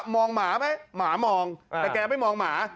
หมาไหมหมามองแต่แกไม่มองหมา